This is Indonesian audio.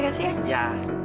seneng banget tuh cowo